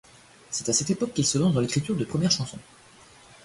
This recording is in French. C'est à cette époque qu'il se lance dans l'écriture de premières chansons.